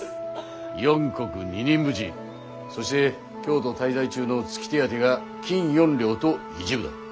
４石二人扶持そして京都滞在中の月手当が金４両と１分だ。